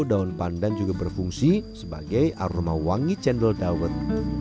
daun pandan juga berfungsi sebagai aroma wangi cendol dawet